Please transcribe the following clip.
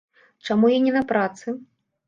Чаму я не на працы?